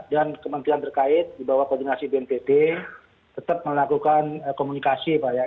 dan kementerian terkait di bawah koordinasi bnpt tetap melakukan komunikasi pak ya